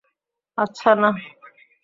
আচ্ছা, না।